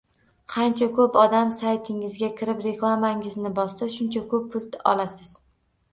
Qancha ko’p odam saytingizga kirib, reklamalaringizni bossa, shuncha ko’p pul olasiz